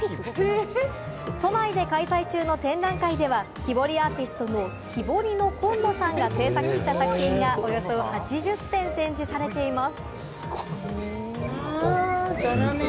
都内で開催中の展覧会では、木彫りアーティストのキボリノコンノさんが制作した作品がおよそ８０点展示されています。